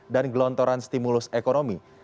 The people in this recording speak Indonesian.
dan gelontoran stimulus ekonomi